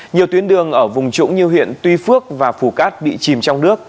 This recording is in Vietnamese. nhiều tuyến đường ở vùng trũng như huyện tuy phước và phù cát bị chìm trong nước